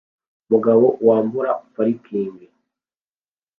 Umugabo wambura parikingi